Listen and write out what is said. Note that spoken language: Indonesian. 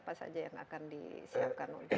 apa saja yang akan disiapkan untuk